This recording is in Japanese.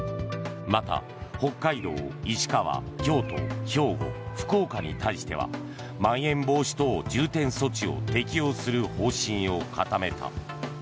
また、北海道、石川、京都兵庫、福岡に対してはまん延防止等重点措置を適用する方針を固めた。